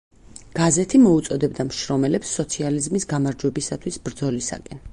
გაზეთი მოუწოდებდა მშრომელებს სოციალიზმის გამარჯვებისათვის ბრძოლისაკენ.